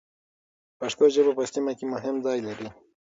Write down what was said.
پښتو ژبه په سیمه کې مهم ځای لري.